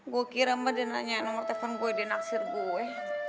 gue kira mbak dia nanya nomor telepon gue di naksir gue